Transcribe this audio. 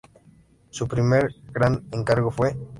Su primer gran encargo fue...